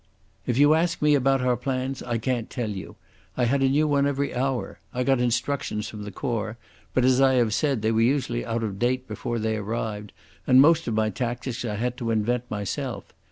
If you ask me about our plans I can't tell you. I had a new one every hour. I got instructions from the Corps, but, as I have said, they were usually out of date before they arrived, and most of my tactics I had to invent myself.